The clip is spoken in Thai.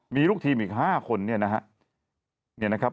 มีลูกทีมอีก๕คน